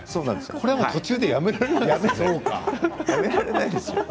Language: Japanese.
それは途中でやめられないですよ。